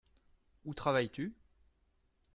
Où travailles-tu ?